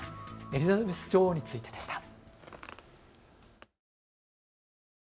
エリザベス女王についてでした。